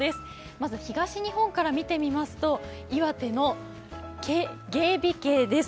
まず東日本から見てみますと、岩手の猊鼻渓です。